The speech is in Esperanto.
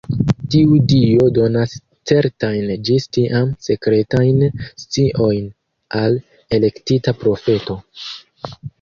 Tiu Dio donas certajn ĝis tiam sekretajn sciojn al elektita profeto.